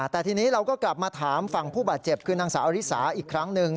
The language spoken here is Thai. แต่ทีนี้เราก็กลับมาถามฝั่งผู้บาดเจ็บคือนางสาวอริสาอีกครั้งหนึ่ง